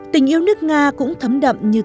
tình yêu nước nga cũng thấm đậm như thế này